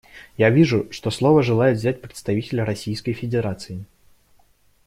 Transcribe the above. Я вижу, что слово желает взять представитель Российской Федерации.